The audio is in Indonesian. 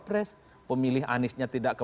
pres pemilih aniesnya tidak ke